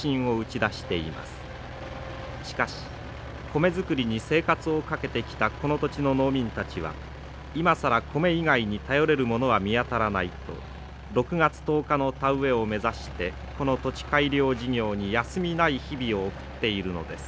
しかし米作りに生活を懸けてきたこの土地の農民たちは今更米以外に頼れるものは見当たらないと６月１０日の田植えを目指してこの土地改良事業に休みない日々を送っているのです。